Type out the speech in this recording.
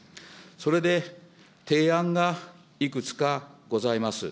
それで提案がいくつかございます。